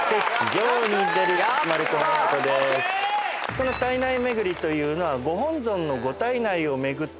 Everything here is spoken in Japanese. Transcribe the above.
この胎内めぐりというのは。